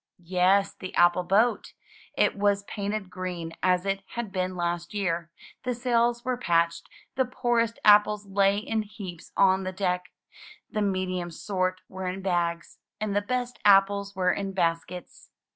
Yes, the apple boat. It was painted green as it had been last year; the sails were patched; the poorest apples lay in heaps on the deck, the medium sort were in bags, and the best apples were in baskets.